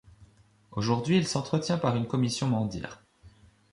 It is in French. Aujourd'hui, il s'entretient par une commission Mandir.